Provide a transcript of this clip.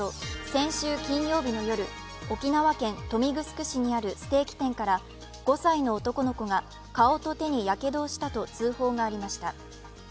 先週金曜日の夜、沖縄県豊見城市にあるステーキ店から５歳の男の子が顔と手にやけどをしたと通報がありました。